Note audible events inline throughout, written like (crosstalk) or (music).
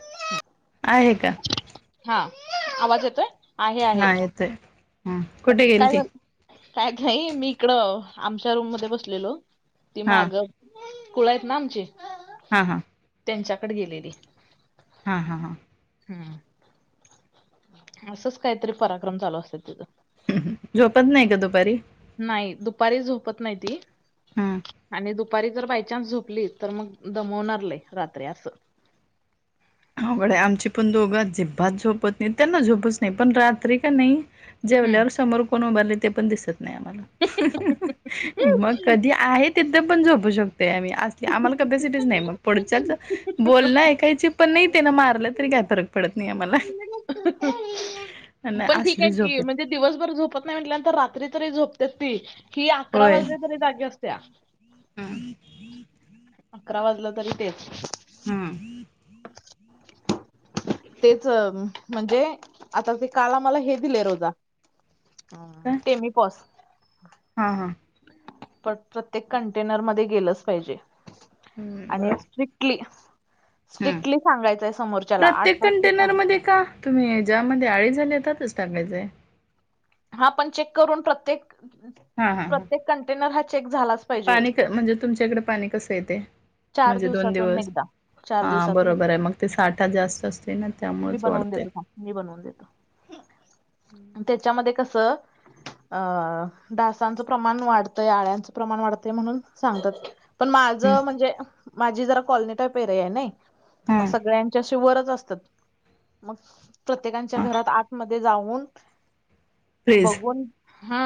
उइऐ (unintelligible) आहे का? हा आवाज येतोय, आहे आहे हा येतोय ह कुठे गेल काय ती बोल? कायच (unintelligible) नाही मी इकडं आमच्या रूम मध्ये बसलेलो, ती हा माग कुळ आहेतना आमची. हां हां. त्यांच्याकडे गेलेली. हा हा हां. हम्म. असंच काहीतरी पराक्रम चालू असत तिथं. झोपत नाही का दुपारी? नाही दुपारी झोपत नाही ती हम् आणि दुप पारी जर बाय चान्स झोपली, तर मग दमवणार लय रात्री असं. अवघड आहे आमची पण दोघ आजिबात झोपत नाही त्यांना झोपच नाही, पण रात्री का नाही जेवल्यावर हम्म समोर कोण उभारले ते पण दिसत नाही आम्हाला, मग कधी आहेत तिथ पण झोपू शकत आम्ही, असली आम्हाला कपॅसिटीच नाही मग पुढच्याच बोलण एकायची पण नाही त्यांन मारलं तरी काय फरक पडत नाही आम्हाला. आणि पण ठीक असली आहे झोप की येते म्हणजे दिवसभर झोपत नाही म्हटल्यानंतर रात्री तरी झोपते ती, ही अकरा वाजले तरी जागी असते्या. हम. अकरा वाजलं तरी तेच. हम. तेच, म्हणजे आता ते काल आम्हाला हे दिलेय रोजा. हम. ते मी पस हं हं. प प्रत्येक कंटेनर मध्ये गेलंच पाहिजे हम्म आणि बर स्ट्रिक्ट ली, हम्म स्ट्रीक्तली सांगायचंय समोरच्याला आठ प्रत्येक वासचे पण. कंटेनरमध्ये का? तुम्ही ज्यामध्ये आळी झाली यतच टाकायचंय? हा पण चेक करून, प्रत्येक हा हा हा प्रत्येक कंटेनर हा चेक झालाच पाहिजे पाणी क म्हणजे तुमच्या इकडे पाणी कसं येते, चार म्हणजे दोन दिवसातून दिवस? एकदा चार हा दिवसातून बरोबर एकदा आहे मग, ते साठा जास्त असतय ना मी त्यामुळेच बनवून वाढत. देतो थांब मी बनवून देतो, त्याच्यामध्ये कस अं डासांचं प्रमाण वाढतंय, आळ्यांचं प्रमाण वाढतंय म्हणून सांगतात. पण हम्म माझं म्, हणजे माझी जरा कॉलनी टाईप एरिया आहे नाय. हा मग सगळ्यांच्याशी वरच असतात. मग प्रत्येकच्या हा घरात आतमध्ये जाऊन. फ्रीज बघून हा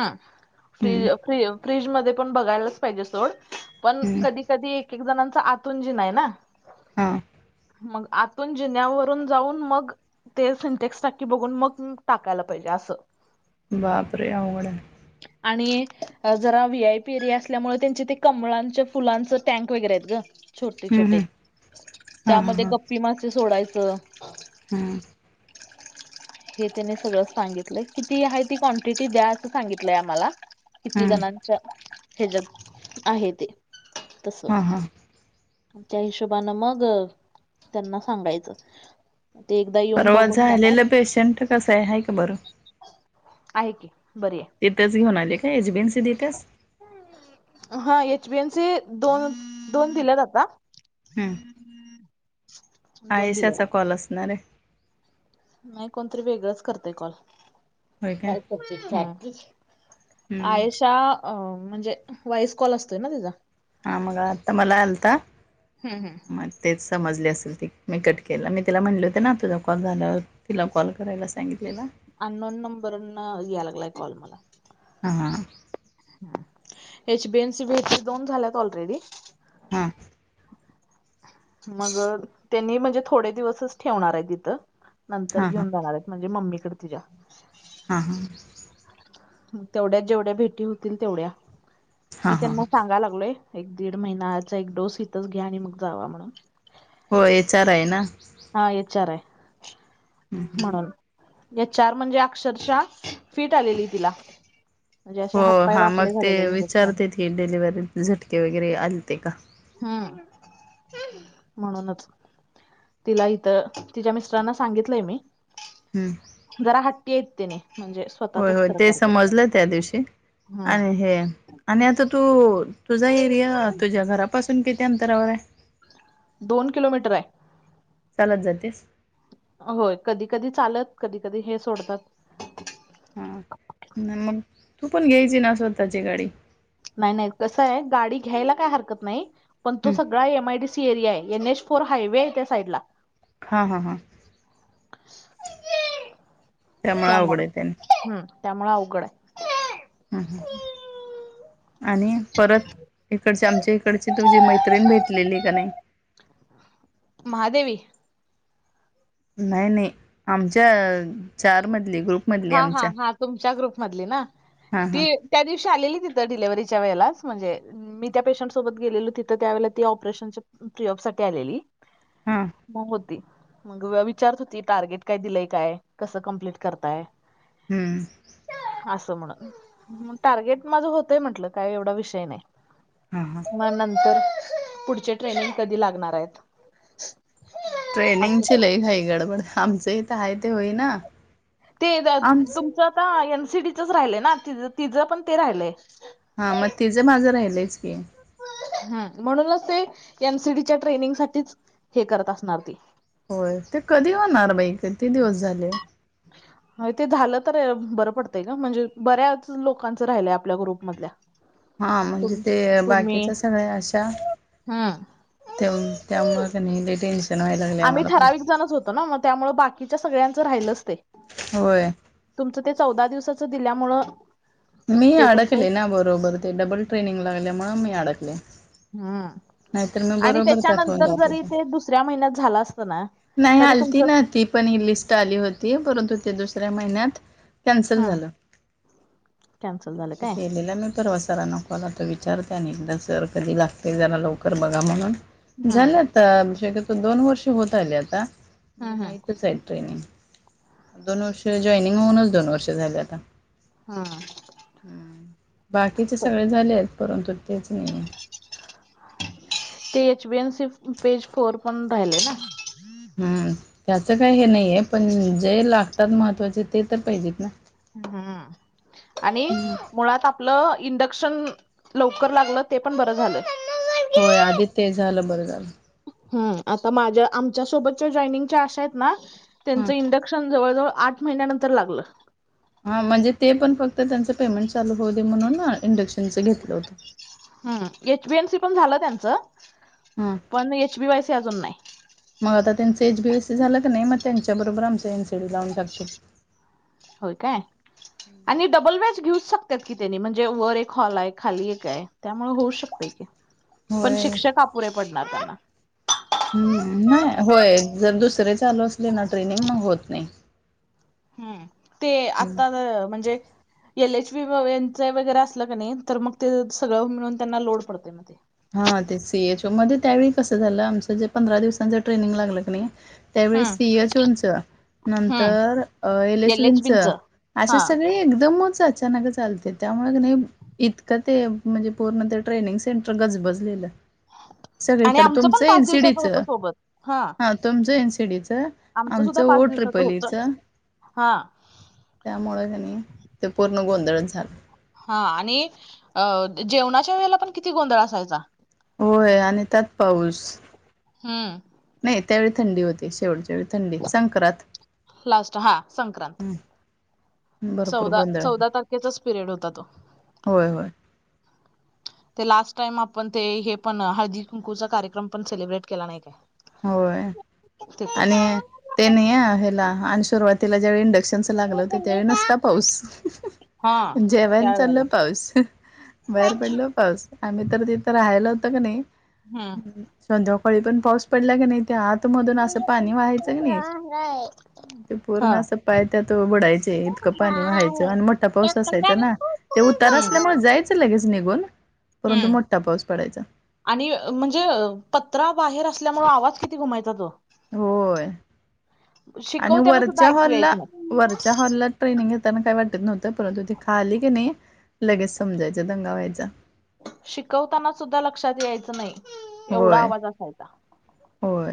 फ्री हम्म फ्री फ्रीज मध्ये पण बघायलाच पाहिजे सोड पण हम्म कधी कधी एक एक जणांचा आतूनजीना आहे ना. हां मग आतून जिन्यावरून जाऊन मग, ते सिंथेक्स टाकी बघून मग टाकायला पाहिजे असं बापरे! अवघडय आणि जरा व्ही आय पी एरिया असल्यामुळे त्यांचे ते कमळांच्या फुलांच टँक वगैरे आहेत ग. छोटे हम्म छोटे हम्म हा हा त्यामध्ये हा गप्पी मासे सोडायचं. हम्म हे त्यांनी सगळं सांगितलंय किती आहेत? किती क्वांटिटी द्या असं सांगितलंय आम्हाला किती हम्म जणांच्या. ह्याच्या आहे ते तस हा हा त्या हिशोबनें मग त्यांना सांगायचं. ते एकदा येऊन परवा बघून जाणार झालेलं पेशंट कसं आहे? आहे का बरं? ह आहे की बरी आहे. तथेच घेऊ आले काय एजबीनसी दिथस? हा एचबीएन दोन दोन दिल्यात आता. हम दोन आयशाचा दिल्यात कॉल असणार आहे. नाही कोणतरी वेगळंच करतय कॉल होय काय? स्पॅम पडतंय स्पॅम. हम्म आयशा म्हणजे व्हॉइस कॉल असतोय ना तिचा. हा मग आता मला आलता हम्म हम्म म तेच समजले असेल ते मी कट केलं मी तिला म्हटले होते ना तुझा कॉल झालावर तिला कॉल करायला सांगितलेला. अन नोन नंबरन याय लागलाय कॉल मला. हा हा याची एच बी एन सी ब दोन झाल्यात ऑलरेडी हा मग त्यांनी म्हणजे थोडे दिवसच ठेवणार आहे तिथं नंतर हां हां हां घेऊन जाणार आहे. म्हणजे मम्मीकडे तिझ्या, हा हा तेवढ्यात जेवढ्या भेटी होतील तेवढ्या हां मी हां त्यांना सांगा लागलोय. एक दीड महिनाचा एक डोस इिथंच घ्या आणि मग जावा म्हणून हो हेचार आहे ना? हा एचर आहे म्हणून. या एच आर म्हणजे अक्षरशः फिट आलेली तिला. म्हणजे अे हातपाय वाकडे झालेले इंजेक्शन, हे डिलिव्ही झटके वगैरे आलेते का? हम्म म्हणूनच तिला इथं तिच्या मिस्टरांना सांगितलंय मी हम्म जरा हट्टीइतेने म्हणजे होय स्वतःचच होय खरं ते करतात समजलं त्या दिवशी आणि हम्म हे आणि आता तू तुझा एरिया तुझ्या घरापासून किती अंतरावर हाय? दोन किलोमीटर आहे. चालत जातेस? होय कधी कधी चालत, कधी कधी हे सोडतात. हा, मग तू पण घ्यायची ना स्वतःची गाडी. नाही नाही, कसं आहे गाडी घ्यायला काय हरकत नाही, पण तो हं सगळा M I D C area आहे एन एच फोर हायवे आहे त्या साईडला. हा हा हा अवघड त्यामुळे आहे त्याने हम्म त्यामुळं अवघड आहे. हम्म हम्म, आणि परत इकडची, आमच्या इकडची तुझी मैत्रीण भेटलेली का नाही? महादेवी नाही नाही, आमच्या चार मधली ग्रुपमधली हा हा आमच्या. हा तुमच्या ग्रुपमधली ना, हा हा ती त्या दिवशी आलेली तिथं डिलव्हरीच्या वेळेलाच म्हणजे मी त्या पेशंट सोबत गेलेलो तिथं त्यावेळेला, ती ऑपरेशनच्या फ्री अप साठी आलेली. हा बहोद ती मग विचारत होती टार्गेट काय दिलंय काय, कसं कम्प्लीट करताय? हम्म असं मग, मग टार्गेट माझं होतंय म्हंटलं, काय एवढा विषय नाही. हा हा मग नंतर, पुढचे ट्रेनिंग कधी लागणार आहेत? असं ट्रेनिंगची लय घाई गडबड, आमचं इथं आहे ते होईना. ते तुमचं आता एन सी डी चंच राहिलय ना, तिचं पण ते राहिलंय. हा मग तिचं माझं राहिलंयच की. हम्म, म्हणूनच ते एन सी डी च्या ट्रेनिंगसाठीच, हे करत असणार ती. होय, ते कधी होणार बाई किती दिवस झाले? (inaudible) होय ते झालं तर बरं पडतंय गं, म्हणजे बऱ्याच लोकांचं राहिलंय आपल्या ग्रुपमधल्या. हा म्हणजे तुम ते तुम्ही बाकीच्या सगळ्या अशा हम्म तेम त्यामुळे क नाही लय टेन्शन व्हाय लागलंय आम्हाला पण. तना मग त्यामुळे बाकीच्या सगळ्यांचं राहिलंच ते. होय तुमचं ते चौदा दिवसाचं दिल्यामुळं मी ते तुमचं अडकले ना बरोबर, ते डबल ट्रेनिंग लागल्यामुळं मी अडकले. हम्म नाहीतर मी आणि बरोबर त्यात होऊन त्याच्यानंतर जात जरी होते. ते दुसऱ्या महिन्यात झालं असतं ना, नाही तरी आलती तुमचं ना ती पण ही लिस्ट आली होती, परंतु ते दुसऱ्या महिन्यात कॅन्सल हा झालं. कॅन्सल नाही झालं आता काय केलेलं मी परवा सरांना पण आता विचारते आणि एकदा सर कधी लागतील जरा लवकर बघा म्हणून, हम्म झालं ता शक्यतो दोन वर्ष होत आले आता, म्हणजे हम्म हम्म नाहीतच आहे ट्रेनिंग. दोन वर्ष जॉइनिंग होऊनच दोन वर्ष झाले आता. हम्म हम्म, बाकीचे पण सगळे झाले आहेत परंतु तेच नाही. ते H B N C page four पण राहिले ना? हम्म, त्याचं काही हे नाहीे पण, जे लागतात महत्त्वाचे ते तर पाहिजेत ना. हम्म, आणि हम्म. मुळात आप लं इंडक्शन लवकर लागलं ते पण बरं झालं. होय, आधी ते झालं बरं झालं. हम्म, आता माझ्या आमच्या सोबतच्या जॉइनिंगच्या अशा आहेत ना, हा. त्यांचं इंड क्षण जवळ जवळ आठ महिन्यानंतर लागलं. हा म्हणजे ते पण फक्त त्यांचं पेमेंट चालू होऊ दे म्हणून, इंडक्शनचं घेतलं होतं. हम्म, एचबीएमसी पण झालं त्यांचं, हा पण एचबी वायसी अजून नाही. मग आता त्यांचं एचबीएसी झालं कणी, मग त्यांच्या बरोबर आमच एन सीडी लावून टाकतील. होय काय. आणि डबल वेज घेऊच शकत्यात की तेनी, म्हणजे वर एक हॉल आहे खाली एक आहे त्यामुळे होऊ शकते. पण होय शिक्षक अपुरे पडणार त्यांना. हम्म. नाही होय जर दुसरे चालू असले ना, ट्रेनिंग मग होत नाही. हम्म. ते हम्म. आता म्हणजे, एल एच वी यांच वगैरे असलं कणी, तर मग ते सगळं मिळून त्यांना लोड पडते मग ते. हा ते सीएचओ मध्ये त्यावेळी कसं झालं, आमचं जे पंधरा दिवसांच ट्रेनिंग लागलं कणी. त्यावेळी हम्म सीएच उंच. हम्म नंतर एल एच एलेचविंच बींच असे हा सगळे एकदमच याच. (unintelligible) चालतंय त्यामुळं कणी, इतकं ते म्हणजे पूर्ण ते ट्रेनिंग सेंटर. गजबजलेल आणि सगळीकड आमचं पण तुमचं पाच दिवसाचं एनसीडीच. होतं सोबत हा तुमचं एन सीडीच, आमचं सुद्धा ओ पाच दिवसाचं ट्रिपलीच. होतं हा त्यामुळ कणी, ते पूर्ण गोंधळ झालं. हा. आणि अ जेवणाच्या वेळेला पण किती गोंधळ असायचा. होय, आणि त्यात पाऊस. हा. नाही त्यावेळी थंडी होती, शेवटचा वेळी थंडी संक्रांत. लास्ट हां संक्रांत. हं. चौदा चौदा, तारखेचाच पिरियड होता तो. होय होय ते लास्ट टाइम आपण ते हे पण, हळदी कुंकूचा कार्यक्रम पण सेलिब्रेट केला नाही काय. होय. तिथंच आणि ते नाही हेला, आणि सुरुवातीला जे इंडशन. तेचं लागत त्यावेळी नुसता पाऊस, हा जेवायला चाल त्यावेेळेला पाऊस. बाहेर पडल पाऊस आम्ही, तर तिथं राहायला होतं कणी. हम्म संध्याकाळी पण पाऊस पडला कणी, ते आतमधून असं पाणी व्हायचं कणी. ते पूर्ण हा असं पाय त्यात बुडायचे इतकं, पाणी व्हायचंय आणि मोठा पाऊस असायचा ना. ते उतार असल्यामुळे जायचं लगेच निघून, परंतु हम्म मोठा पाऊस पडायचा. आणि म्हणजे, पत्रा बाहेर असल्यामुळ आवाज किती गुमायचा तो. होय.. आणि शिकवत्याला सुद्धा वरच्या ऐकू हॉल ला यायचं नाही वरच्या हॉल ला. ट्रेनिंग घेताना काही वाटत नव्हतं परंतु, ते खाली कणी लगेच समजायचं दंगा व्हायचा. शिकवताना सुद्धा लक्षात यायचं नाही, एवढा होय आवाज असायचा. होय.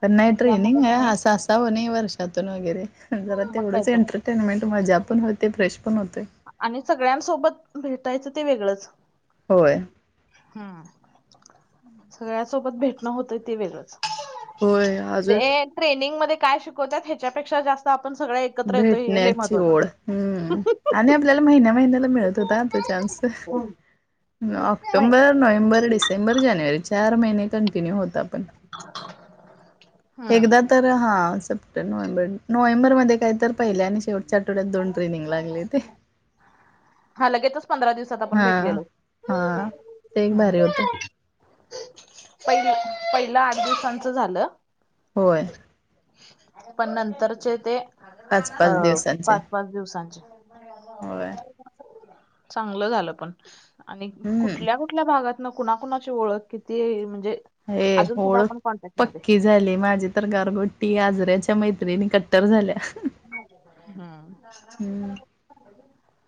त्यांना हे त्यामुळं ट्रेनिंग ये कणी असं असा (unintelligible) वर्षातून वगैरे जरा मग काय तेवढंच, तर एंटरटेनमेंट मजा पण होते फ्रेश पण होते. आणि सगळ्यांनसोबत भेटायचं ते वेगळंच. होय. हम्म. सगळ्या सोबत भेटणं होतंय ते वेगळंच. होय ते अजून ये ट्रेनिंग मध्ये काय शिकवत्यात, हेच्यापेक्षा जास्त आपण सगळे एकत्र येतोय हे लय भेटण्याची महत्वाचं. ओढ, हम्म... आणि आपल्याला महिन्या महिन्याला मिळत होता ह चान्स ऑक्टोंबर. नोव्हेंबर डिसेंबर जानेवारी चार महिने कंटिन्यू होतो आपण. (inaudible) एकदा तर हा, सप्टे नोव्हेंबर नोव्हेंबर मध्ये. काय तर, पहिले आणि शेवटच्या आठवड्यात दोन ट्रेनिंग लागले ते. हा लगेचच पंधरा दिवसात आपण हा भेटलेलो. हा ते एक हम्म.. भारी होतं पहि पहिला आठ दिवसांचं झालं. होय. पण नंतरचे ते, पाच अ.. पाच दिवसांचे पाच पाच दिवसांचे. होय चांगलं झालं पण, आणि हम्म कुठल्या कु कुठल्या भागातन कुणाकुणाची ओळख किती म्हणजे हे अजून सुद्धा होळ आपण कॉन्टॅक्ट मध्ये पक्कीच झाले माझे तर गारगोटी आजऱ्याच्या मैत्रिणी कट्टर झाल्या. हम्म हम्म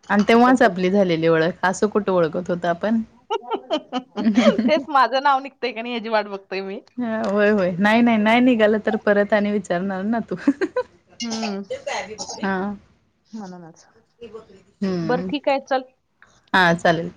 आणि तेव्हाच तिकडच आपली झालेली ओळख असं कुठं ओळखत होतो आपण. (unintelligible) तेच माझ नाव निघतंय कनी हेजी वाट बघतोय मी. हा होय होय नाही नाही नाही निघालं तर परत आणि विचारणार ना तू. हम्म म्हणूनच हा. बरं हम्म ठीकाय चल हा चालेल